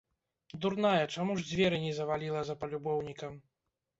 Дурная, чаму ж дзверы не заваліла за палюбоўнікам!